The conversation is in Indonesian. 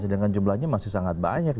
sedangkan jumlahnya masih sangat banyak